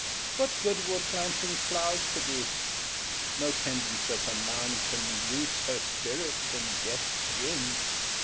What good will planting flowers produce? No tendance of her mound can loose Her spirit from Death's gin.